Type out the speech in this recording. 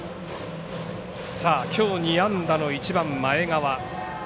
きょう２安打の１番、前川。